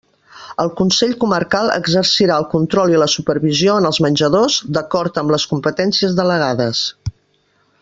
El Consell Comarcal exercirà el control i la supervisió en els menjadors, d'acord amb les competències delegades.